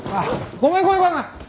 ごめんごめんごめん！